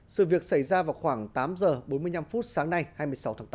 sự việc xảy ra vào khoảng tám h bốn mươi năm sáng nay hai mươi sáu tháng tám